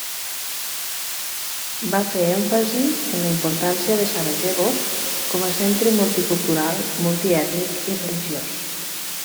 Va fer èmfasi en la importància de Sarajevo com a centre multicultural, multiètnic i religiós.